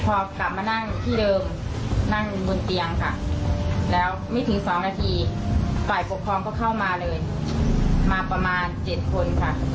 พอกลับมานั่งที่เดิมนั่งบนเตียงค่ะแล้วไม่ถึง๒นาทีฝ่ายปกครองก็เข้ามาเลยมาประมาณ๗คนค่ะ